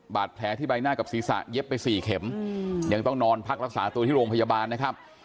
บาดแผลที่ใบหน้ากับศีรษะเย็บไป๔เข็มยังต้องนอนพักรักษาตัวที่โรงพยาบาลนะครับ